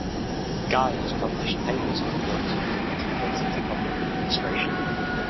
Guy has published papers and books on topics related to public administration.